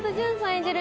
演じる